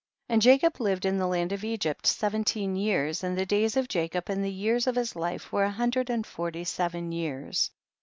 And Jacob lived in the land of Egypt seventeen years, and the days of Jacob, and the years of his life were a hundred and forty seven years.